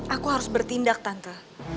aku harus bertindak tante